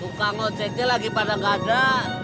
tukang ojj lagi pada gak ada